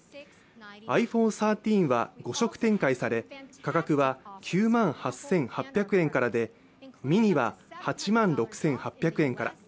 ｉＰｈｏｎｅ１３は５色展開され、価格は９万８８００円からで、ｍｉｎｉは８万６８００円から。